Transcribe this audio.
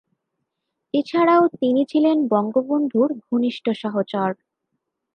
এছাড়াও তিনি ছিলেন বঙ্গবন্ধুর ঘনিষ্ঠ সহচর।